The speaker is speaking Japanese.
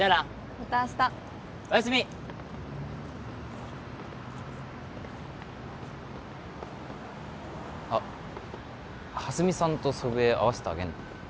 また明日あっ蓮見さんと祖父江会わせてあげるの？